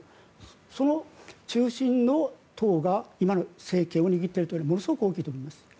その中心の党が今の政権を握っているというのはものすごく大きいと思います。